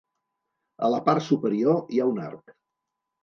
A la part superior hi ha un arc.